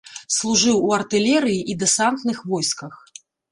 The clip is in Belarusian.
Служыў у артылерыі і дэсантных войсках.